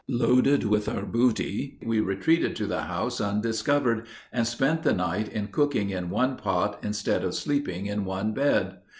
Loaded with our booty we retreated to the house undiscovered, and spent the night in cooking in one pot instead of sleeping in one bed.